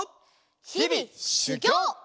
ひびしゅぎょう！